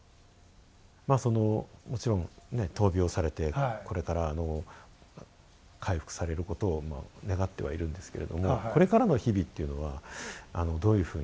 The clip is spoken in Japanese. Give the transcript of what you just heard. そのもちろんね闘病されてこれから回復されることを願ってはいるんですけれどもこれからの日々っていうのはどういうふうに。